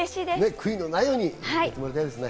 悔いのないようにやってもらいたいですね。